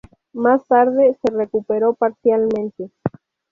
Más tarde se recuperó parcialmente.